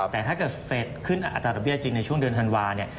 แต่ถ้าเกิดเฟสขึ้นอัตราดอกเบี้ยจริงในช่วงเดือนธันวาเนี่ย